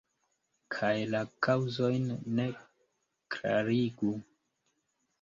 Kaj la kaŭzojn ne klarigu.